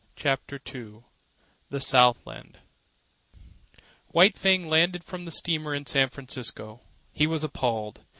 CHAPTER II THE SOUTHLAND White Fang landed from the steamer in San Francisco. He was appalled.